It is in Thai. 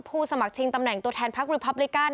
สมัครชิงตำแหน่งตัวแทนพักรีพับลิกัน